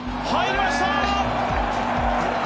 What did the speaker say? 入りました！